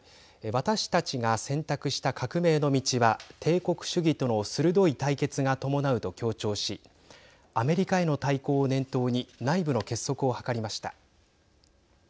私たちが選択した革命の道は帝国主義との鋭い対決が伴うと強調しアメリカへの対抗を念頭に内部の結束を図りました。